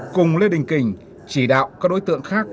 cùng lê đình kình chỉ đạo các đối tượng khác